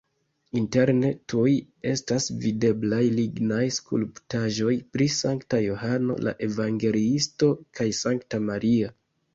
Interne tuj estas videblaj lignaj skulptaĵoj pri Sankta Johano la Evangeliisto kaj Sankta Maria.